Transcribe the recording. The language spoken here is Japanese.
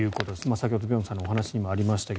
先ほど辺さんのお話にもありましたが。